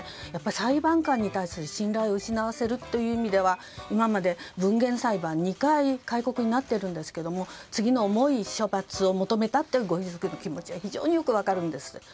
やっぱり裁判官に対する信頼を失わせるという意味では今まで分限裁判２回戒告になっているんですけど次の重い処罰を求めたというご遺族の気持ちは非常によく分かるんです。